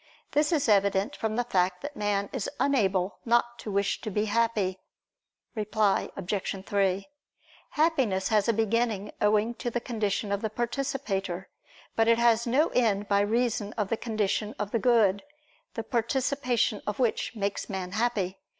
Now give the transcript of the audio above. This is evident from the fact that man is unable not to wish to be happy. Reply Obj. 3: Happiness has a beginning owing to the condition of the participator: but it has no end by reason of the condition of the good, the participation of which makes man happy.